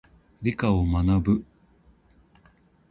理科を学ぶ。